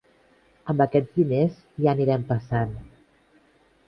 Amb aquests diners ja anirem passant.